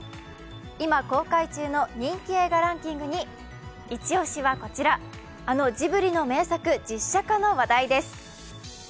今、公開中の人気映画ランキングに一押しはこちら、あのジブリの名作実写化の話題です。